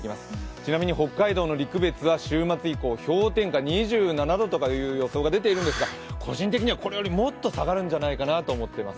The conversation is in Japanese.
ちなみに北海道の陸別は週末以降、氷点下２７度という予想が出ているんですが、個人的にはこれよりもっと下がるんじゃないかなと思ってます。